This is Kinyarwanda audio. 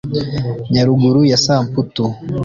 Nyaruguru ya Samputu